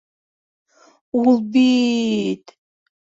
Ул бит...